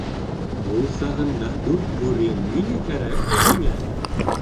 — Ул сағында дүрт бүре ниңә кәрәк һуң һиңә?